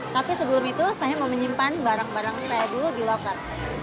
tapi sebelum itu saya mau menyimpan barang barang saya dulu di locker